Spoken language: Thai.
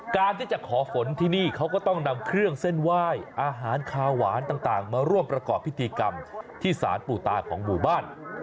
การที่จะขอฝนที่นี่เขาก็ต้องนำเครื่องเส้นไหว้อาหารคาหวานต่างมาร่วมประกอบพิธีกรรมที่สารปู่ตาของหมู่บ้าน